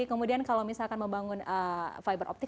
kemudian kalau misalkan membangun fiber optic